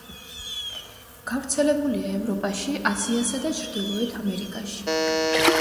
გავრცელებულია ევროპაში, აზიასა და ჩრდილოეთ ამერიკაში.